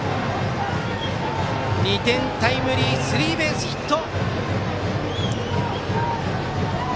２点タイムリースリーベースヒット。